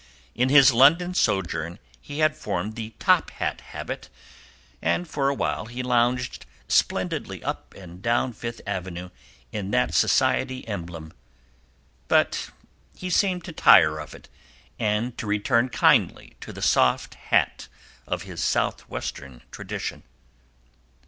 In his London sojourn he had formed the top hat habit, and for a while he lounged splendidly up and down Fifth Avenue in that society emblem; but he seemed to tire of it, and to return kindly to the soft hat of his Southwestern tradition.